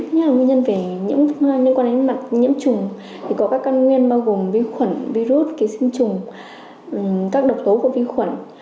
những nguyên nhân về nhiễm khuẩn liên quan đến mặt nhiễm trùng thì có các căn nguyên bao gồm vi khuẩn virus kỳ sinh trùng các độc tố của vi khuẩn